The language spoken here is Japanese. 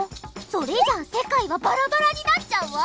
それじゃあせかいはバラバラになっちゃうわ！